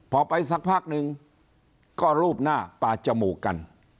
พอไปสักพักนึงก็รูปหน้าปาดจมูกกัน